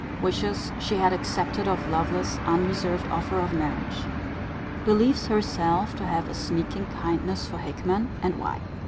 Wishes she had accepted of Lovelace's unreserved offer of marriage. Believes herself to have a sneaking kindness for Hickman: and why.